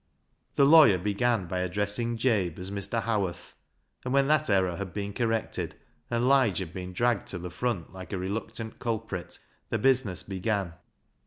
The lawyer began by addressing Jabe as I\Ir. Howarth, and when that error had been corrected, and Lige had been dragged to the front hke a rekictant culprit, the business began.